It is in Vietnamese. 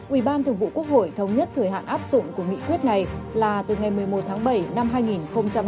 ủy ban thường vụ quốc hội thống nhất thời hạn áp dụng của nghị quyết này là từ ngày một mươi một tháng bảy năm hai nghìn hai mươi